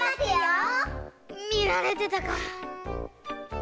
みられてたかぁ。